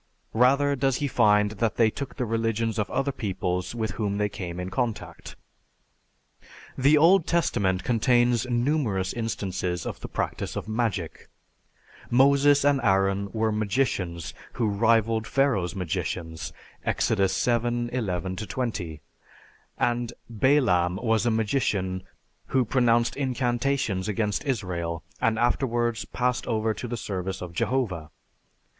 Rather does he find that they took the religions of other peoples with whom they came in contact. The Old Testament contains numerous instances of the practice of magic. Moses and Aaron were magicians who rivalled Pharaoh's magicians (Ex. VII, 11 20); and Balaam was a magician who pronounced incantations against Israel and afterwards passed over to the service of Jehovah.